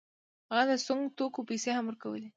هغه د سونګ توکو پیسې هم ورکولې.